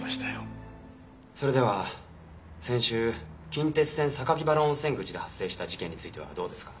それでは先週近鉄線榊原温泉口で発生した事件についてはどうですか？